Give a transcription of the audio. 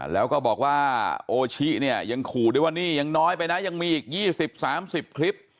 แล้วก็บอกว่าโอชิเนี่ยยังขู่ด้วยว่านี่ยังน้อยไปนะยังมีอีก๒๐๓๐คลิป